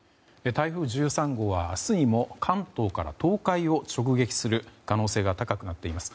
台風１３号は明日にも関東から東海を直撃する可能性が高くなっています。